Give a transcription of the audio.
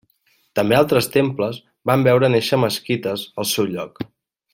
També altres temples van veure néixer mesquites al seu lloc.